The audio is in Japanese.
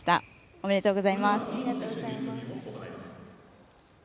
ありがとうございます。